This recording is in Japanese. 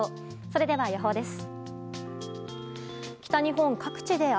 それでは予報です。